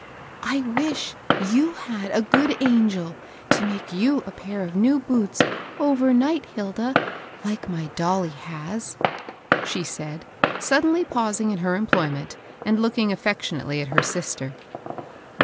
" I wish you had a good angel to make you a pair of new boots, overnight, Hilda, like my dolly has !" she said, suddenly pausing in her employment, and looking affectionately at her sister.